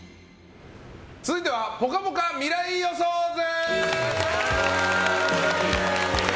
続いてはぽかぽか未来予想図！